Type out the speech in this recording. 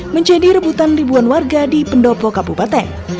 menjadi rebutan ribuan warga di pendopo kabupaten